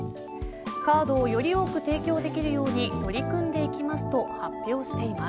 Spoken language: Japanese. カードをより多く提供できるように取り組んでいきますと発表しています。